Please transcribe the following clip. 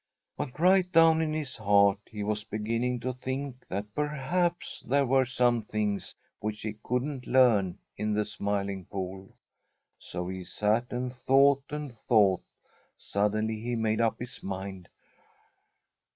But right down in his heart he was beginning to think that perhaps there were some things which he couldn't learn in the Smiling Pool. So he sat and thought and thought. Suddenly he made up his mind.